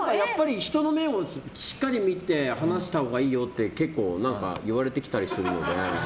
人の目をしっかり見て話したほうがいいよっていわれてきたりするので。